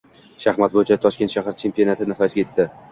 Shaxmat bo‘yicha Toshkent shahar chempionati nihoyasiga yetdi